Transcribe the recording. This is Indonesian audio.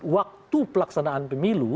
waktu pelaksanaan pemilu